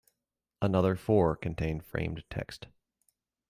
Another four contain framed text.